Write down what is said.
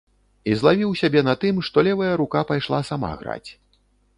І злавіў сябе на тым, што левая рука пайшла сама граць.